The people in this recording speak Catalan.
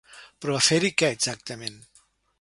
Però a fer-hi què exactament?